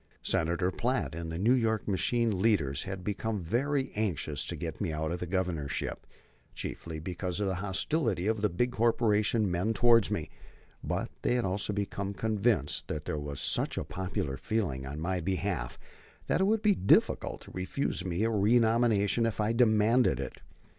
Senator Platt and the New York machine leaders had become very anxious to get me out of the Governorship, chiefly because of the hostility of the big corporation men towards me; but they had also become convinced that there was such popular feeling on my behalf that it would be difficult to refuse me a renomination if I demanded it.